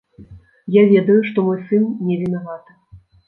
Я ведаю, што мой сын не вінаваты.